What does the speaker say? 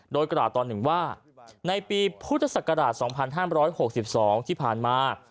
โดยกล่าวตอนหนึ่งว่าในปีพุทธศักราช๒๕๖๒ที่ผ่านมา